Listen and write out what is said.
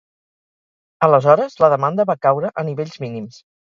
Aleshores, la demanda va caure a nivells mínims.